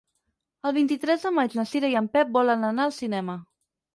El vint-i-tres de maig na Cira i en Pep volen anar al cinema.